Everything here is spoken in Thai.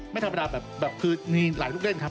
ไม่ธรรมดาแบบคือมีหลายลูกเล่นครับ